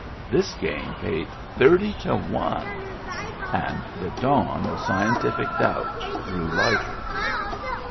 This game paid thirty to one ! And the dawn of scientific doubt grew lighter.